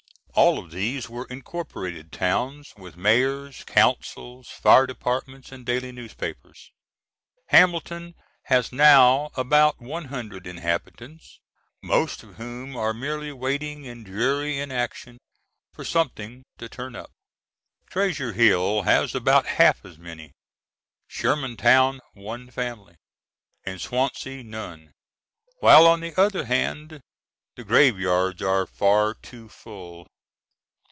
All of these were incorporated towns with mayors, councils, fire departments, and daily newspapers. Hamilton has now about one hundred inhabitants, most of whom are merely waiting in dreary inaction for something to turn up. Treasure Hill has about half as many, Shermantown one family, and Swansea none, while on the other hand the graveyards are far too full.